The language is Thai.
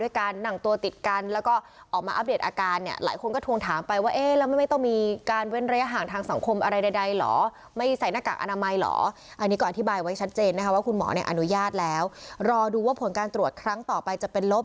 ว่าคุณหมอเนี่ยอนุญาตแล้วรอดูว่าผลการตรวจครั้งต่อไปจะเป็นลบ